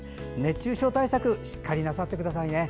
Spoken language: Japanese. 熱中症対策、しっかりとなさってくださいね。